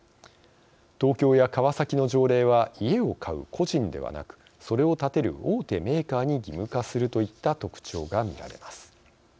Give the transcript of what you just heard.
東京や川崎の条例は家を買う個人ではなくそれを建てる大手メーカーに義務化するといった特徴が見られます。